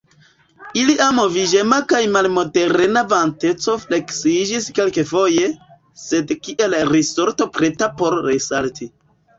Ilia moviĝema kaj malmoderema vanteco fleksiĝis kelkafoje, sed kiel risorto preta por resalti.